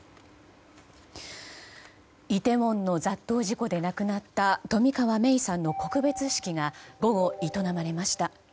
イテウォンの雑踏事故で亡くなった冨川芽生さんの告別式が午後営まれました。